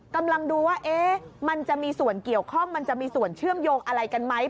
กำลังดูว่ามันจะมีส่วนเกี่ยวข้องมันจะมีส่วนเชื่อมโยงอะไรกันไหม